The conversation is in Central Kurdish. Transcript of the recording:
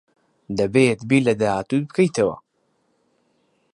دەبێت بیر لە داهاتووت بکەیتەوە.